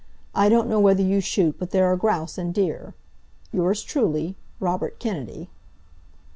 I don't know whether you shoot, but there are grouse and deer. Yours truly, ROBERT KENNEDY.